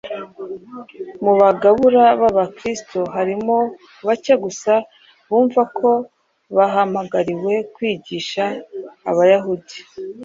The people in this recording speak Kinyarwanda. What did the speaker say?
Mu bagabura b’Abakristo harimo bake gusa bumva ko bahamagariwe kwigisha Abayahudi;